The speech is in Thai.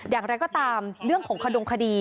อย่างไรก็ตามเรื่องของขดงคดี